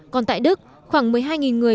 còn tại đức khoảng một mươi hai người